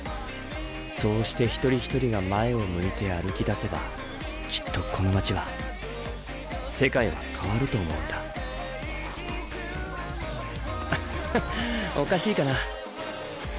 そうして一人一人が前を向いて歩きだせばきっとこの街は世界は変わると思うんだあっははっおかしいかな？